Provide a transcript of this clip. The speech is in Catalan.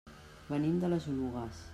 Venim de les Oluges.